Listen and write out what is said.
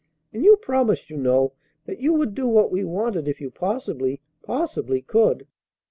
"And you promised, you know, that you would do what we wanted if you possibly, possibly could."